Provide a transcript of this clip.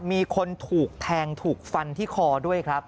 มีคนถูกแทงถูกฟันที่คอด้วยครับ